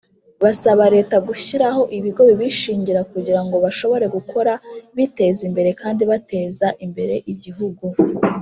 Basaba Leta gushyiraho ibigo bibishingira kugira ngo bashobore gukora biteza imbere kandi bateza imbere igihugu